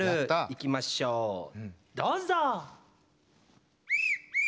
いきましょうどうぞ！